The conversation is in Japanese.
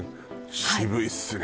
渋いっすね